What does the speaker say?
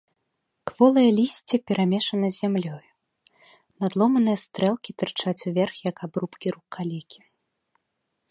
Кволае лісце перамешана з зямлёю, надломаныя стрэлкі тырчаць уверх як абрубкі рук калекі.